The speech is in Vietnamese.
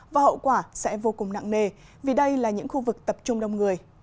và hậu quả sẽ vô cùng nặng nề vì đây là những khu vực tập trung đông người